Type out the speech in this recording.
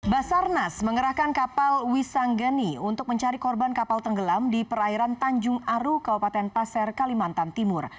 basarnas mengerahkan kapal wisanggeni untuk mencari korban kapal tenggelam di perairan tanjung aru kabupaten pasir kalimantan timur